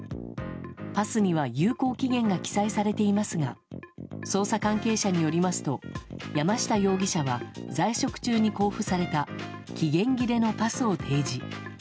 パスには有効期限が記載されていますが捜査関係者によりますと山下容疑者は在職中に公布された期限切れのパスを提示。